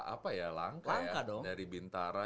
apa ya langkah ya dari bintara